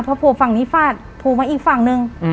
พอโผล่ฝั่งนี้ฟาดโผล่มาอีกฝั่งนึง